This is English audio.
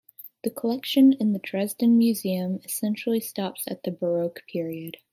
The collection in the Dresden museum essentially stops at the Baroque period.